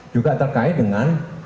juga terkait dengan